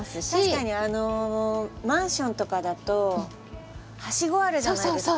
確かにマンションとかだとハシゴあるじゃないですか。